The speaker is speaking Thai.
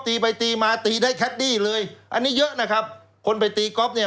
ตีไปตีมาตีได้แคดดี้เลยอันนี้เยอะนะครับคนไปตีก๊อฟเนี่ย